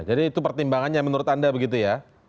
jadi itu pertimbangannya menurut anda begitu ya